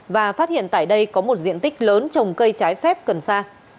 và phát hiện tại đây có một diện tích lớn trồng cây trái phép cần sa